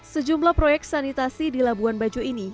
sejumlah proyek sanitasi di labuan bajo ini